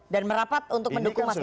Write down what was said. dan merapat untuk mendukung mas ganjar